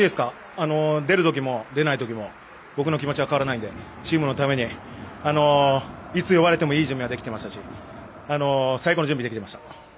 出る時も、出ない時も僕の気持ちは変わらないのでチームのためにいつ呼ばれてもいい準備はできていましたし最高の準備ができていました。